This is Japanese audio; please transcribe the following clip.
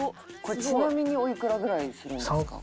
これちなみにおいくらぐらいするんですか？